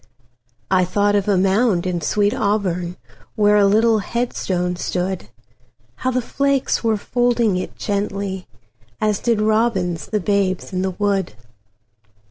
I thought of a mound in sweet AuburnWhere a little headstone stood; How the flakes were folding it gently, As did robins the babes in the wood.